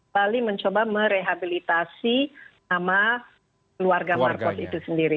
bali mencoba merehabilitasi nama keluarga marcos itu sendiri